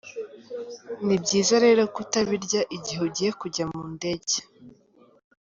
Ni byiza rero kutabirya igihe ugiye kujya mu ndege.